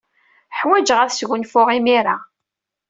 Ḥwajeɣ ad sgunfuɣ imir-a.